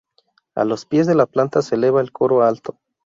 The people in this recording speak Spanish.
A los pies de la planta se eleva el coro alto.